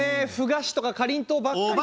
菓子とかかりんとうばっかり。